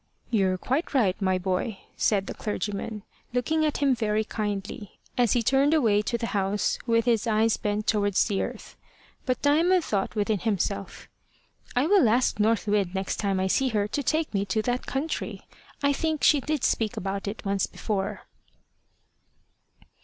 "You're quite right, my boy," said the clergyman, looking at him very kindly, as he turned away to the house, with his eyes bent towards the earth. But Diamond thought within himself, "I will ask North Wind next time I see her to take me to that country. I think she did speak about it once before."